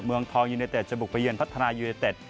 เมืองทองยูเนเต็ดจะบุกไปเยือนพัฒนายูเนเต็ด